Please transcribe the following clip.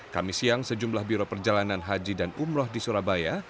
kami siang sejumlah biro perjalanan haji dan umroh di surabaya